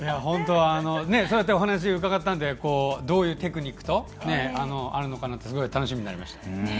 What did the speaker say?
こうやってお話を伺ったのでどういうテクニックがあるのかすごい楽しみになりました。